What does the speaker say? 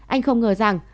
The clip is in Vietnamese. anh không ngờ rằng